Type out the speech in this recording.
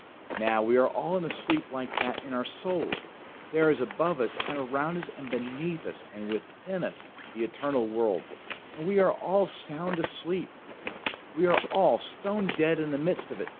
Now, we are all in a sleep like that in our souls. There is above us, and around us, and beneath us, and within us the eternal world, and we are all sound asleep; we are all stone dead in the midst of it.